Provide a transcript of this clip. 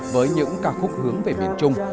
với những ca khúc hướng về miền trung